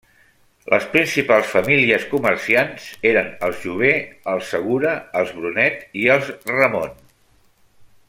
Les principals famílies comerciants eren els Jover, els Segura, els Brunet i els Ramon.